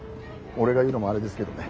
俺が言うのもあれですけどね。